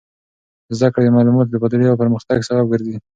زده کړه د معلوماتو د تبادلې او پرمختګ سبب ګرځي.